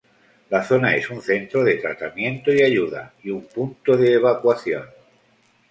La zona es un centro de tratamiento y ayuda, y un punto de evacuación.